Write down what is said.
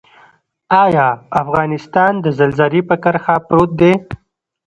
آیا افغانستان د زلزلې په کرښه پروت دی؟